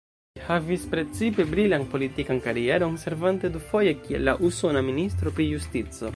Li havis precipe brilan politikan karieron, servante dufoje kiel la usona ministro pri justico.